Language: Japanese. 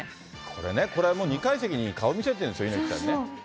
これね、これ、もう２階席に顔見せてるんですよね、猪木さんね。